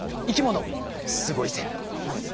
「生きものすごいぜ」！